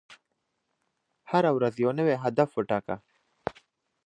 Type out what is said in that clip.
هره ورځ یو نوی هدف وټاکئ.